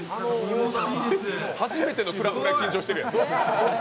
初めてのクラブぐらい緊張してるやん！